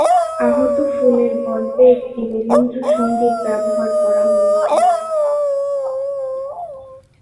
আহত ফুলের গল্পে একটি রবীন্দ্রসঙ্গীত ব্যবহার করা হয়েছে।